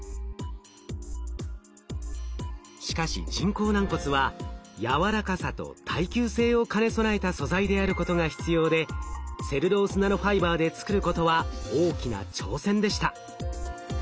しかし人工軟骨はやわらかさと耐久性を兼ね備えた素材であることが必要でセルロースナノファイバーで作ることは大きな挑戦でした。